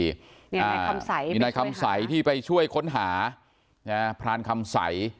นี่นายคำใสนายคำใสที่ไปช่วยค้นหานะฮะพรานคำใส